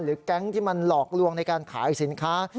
แก๊งที่มันหลอกลวงในการขายสินค้า